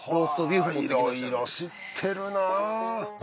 いろいろ知ってるな。